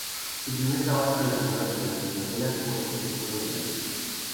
Su primer trabajo relacionado con las telenovelas fue en El juego de la vida.